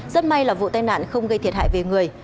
rất may là vụ tai nạn không gây thiệt hại về người